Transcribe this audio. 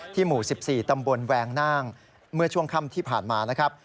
หมู่๑๔ตำบลแวงน่างเมื่อช่วงค่ำที่ผ่านมานะครับ